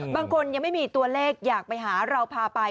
บางคนยังไม่มีตัวเลขอยากไปหาเราพาไป